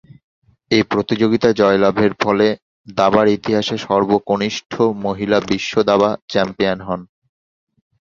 এ প্রতিযোগিতা জয়লাভের ফলে দাবার ইতিহাসে সর্বকনিষ্ঠ মহিলা বিশ্ব দাবা চ্যাম্পিয়ন হন।